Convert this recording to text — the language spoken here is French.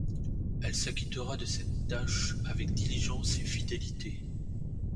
Elle s'acquittera de cette tâche avec diligence et fidélité.